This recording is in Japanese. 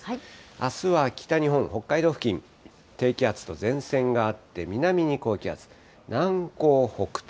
あすは北日本、北海道付近、低気圧と前線があって、南に高気圧、南高北低。